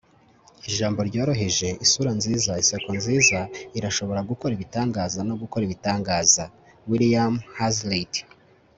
ijambo ryoroheje, isura nziza, inseko nziza irashobora gukora ibitangaza no gukora ibitangaza. - william hazlitt